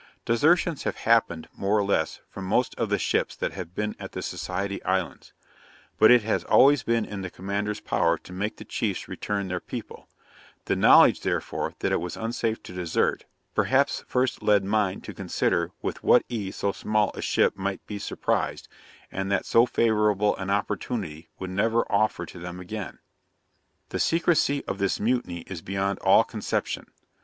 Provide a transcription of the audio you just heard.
'Desertions have happened, more or less, from most of the ships that have been at the Society Islands; but it has always been in the commander's power to make the chiefs return their people; the knowledge, therefore, that it was unsafe to desert, perhaps first led mine to consider with what ease so small a ship might be surprised, and that so favourable an opportunity would never offer to them again. 'The secrecy of this mutiny is beyond all conception.